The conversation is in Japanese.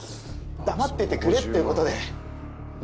黙っててくれってことで。